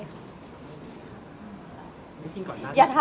ไม่จริงก่อนหน้า